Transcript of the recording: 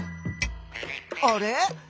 あれ？